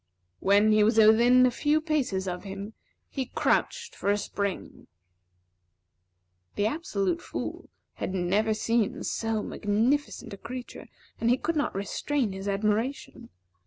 When he was within a few paces of him, he crouched for a spring. The Absolute Fool had never seen so magnificent a creature, and he could not restrain his admiration.